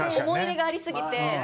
思い入れがあり過ぎて。